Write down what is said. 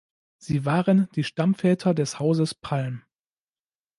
Sie waren die Stammväter des Hauses Palm.